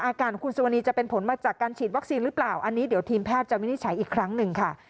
อาการของคุณสุวรรณีจะเป็นผลมาจากการฉีดวัคซีนหรือเปล่าอันนี้เดี๋ยวทีมแพทย์จะวินิจฉัยอีกครั้งหนึ่งค่ะ